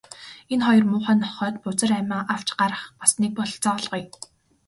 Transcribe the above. Энэ хоёр муухай нохойд бузар амиа авч гарах бас нэг бололцоо олгоё.